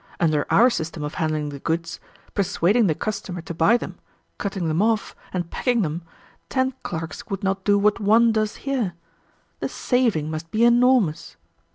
Under our system of handling the goods, persuading the customer to buy them, cutting them off, and packing them, ten clerks would not do what one does here. The saving must be enormous."